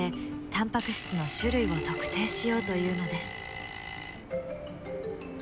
タンパク質の種類を特定しようというのです。